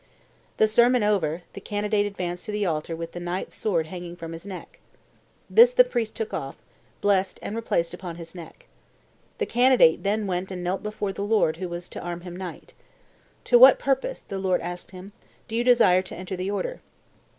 The sermon over, the candidate advanced to the altar with the knight's sword hanging from his neck. This the priest took off, blessed, and replaced upon his neck. The candidate then went and knelt before the lord who was to arm him knight. 'To what purpose,' the lord asked him, 'do you desire to enter the order?